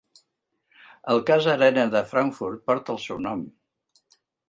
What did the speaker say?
El cas Arena de Frankfurt porta el seu nom.